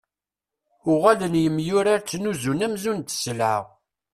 Uɣalen yemyurar ttnuzun amzun d sselɛa.